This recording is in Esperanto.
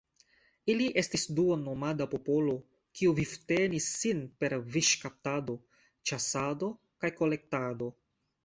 Ili estis duon-nomada popolo, kiu vivtenis sin per fiŝkaptado, ĉasado kaj kolektado.